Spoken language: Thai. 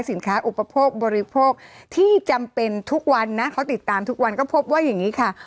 อุปโภคบริโภคที่จำเป็นทุกวันนะเขาติดตามทุกวันก็พบว่าอย่างนี้ค่ะ